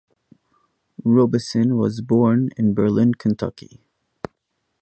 Robsion was born in Berlin, Kentucky.